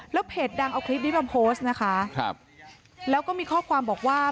แล้วเพจดังเอาคลิปนี้มาโพสต์นะคะครับแล้วก็มีข้อความบอกว่า